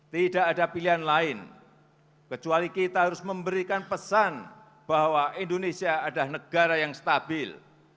tidak ada pilihan lain kecuali kita harus memberikan pesan bahwa indonesia adalah negara yang stabil